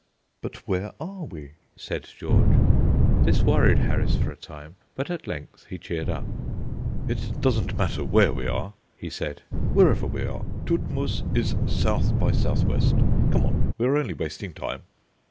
"But where are we?" said George. This worried Harris for a time, but at length he cheered up. "It doesn't matter where we are," he said. "Wherever we are, Todtmoos is south by south west. Come on, we are only wasting time."